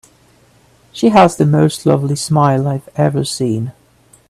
She has the most lovely smile I have ever seen.